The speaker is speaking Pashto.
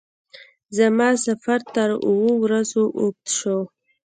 زما سفر تر اوو ورځو اوږد شو.